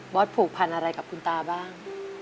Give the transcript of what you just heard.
ผูกพันอะไรกับคุณตาบ้าง